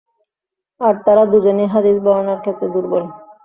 আর তারা দুজনই হাদীস বর্ণনার ক্ষেত্রে দুর্বল।